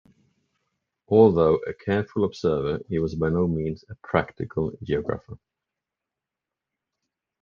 Although a careful observer, he was by no means a practical geographer.